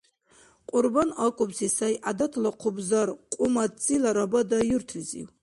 Кьурбан акӀубси сай гӀядатла хъубзар Кьумаццила Рабада юртлизив.